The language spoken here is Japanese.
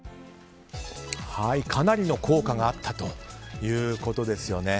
かなりの効果があったということですよね。